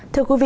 thưa quý vị